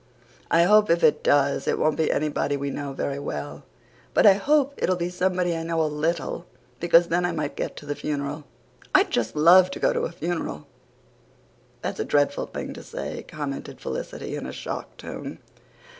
I hope if it does it won't be anybody we know very well. But I hope it'll be somebody I know a LITTLE, because then I might get to the funeral. I'd just love to go to a funeral." "That's a dreadful thing to say," commented Felicity in a shocked tone.